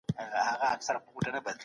هر بزګر یو نقاش دی.